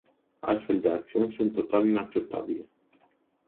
Astfel de acțiuni sunt total inacceptabile.